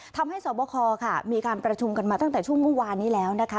ทำให้สวบคค่ะมีการประชุมกันมาตั้งแต่ช่วงเมื่อวานนี้แล้วนะคะ